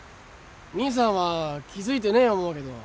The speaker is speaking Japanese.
兄さんは気付いてねえ思うけど。